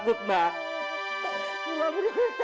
lu gak pernah takut